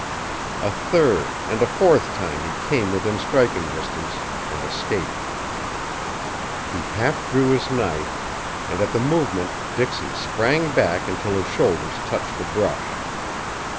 A third and a fourth time he came within striking distance, and escaped. He half drew his knife, and at the movement Dixon sprang back until his shoulders touched the brush.